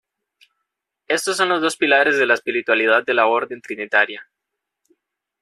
Estos son los dos pilares de la espiritualidad de la Orden Trinitaria.